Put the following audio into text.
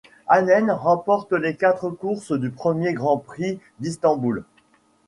Hahn remporte les quatre courses du premier Grand Prix d'Istanbul.